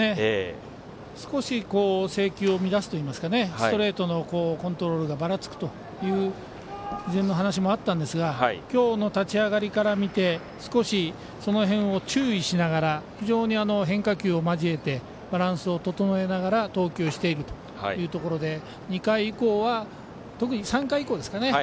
少し制球を乱すといいますかストレートのコントロールがばらつくという事前の話もあったんですが今日の立ち上がりから見て少しその辺を注意しながら非常に変化球を交えてバランスを整えながら投球していくというところで特に３回以降ですかね